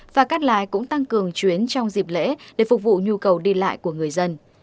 và cắt lái cũng tăng cường chuyến trong dịp lễ để phục vụ nhu cầu đi lại của người dân